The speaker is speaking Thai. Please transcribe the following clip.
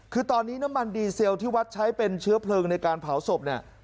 คือตอนนี้น้ำมันดีเซลที่วัดใช้เป็นเชื้อเพลิงในการเผาศพเนี่ย